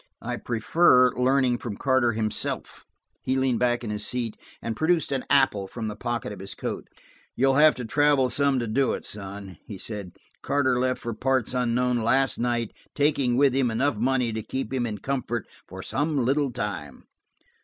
"I prefer learning from Carter himself." He leaned back in his seat and produced an apple from the pocket of his coat. "You'll have to travel some to do it, son," he said. "Carter left for parts unknown last night, taking with him enough money to keep him in comfort for some little time."